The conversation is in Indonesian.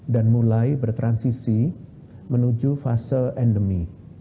mulai bertransisi menuju fase endemi